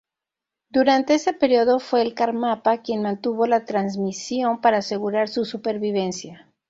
Durante ese período fue el Karmapa quien mantuvo la transmisión para asegurar su supervivencia.